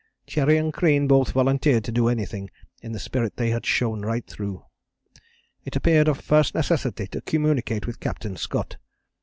"Cherry and Crean both volunteered to do anything, in the spirit they had shown right through. It appeared of first necessity to communicate with Captain Scott.